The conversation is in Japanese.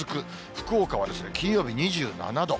福岡は金曜日２７度。